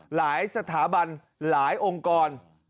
หลายสถาบันหลายองค์กร